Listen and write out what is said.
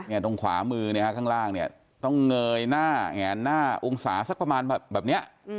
นี่ตรงขวามือข้างล่างต้องเงยหน้าแหงหน้าองศาสักประมาณแบบนี้